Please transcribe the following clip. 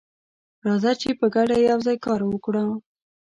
راځه چې په ګډه یوځای کار وکړو.